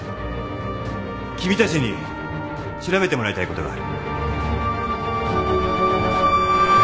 君たちに調べてもらいたいことがある。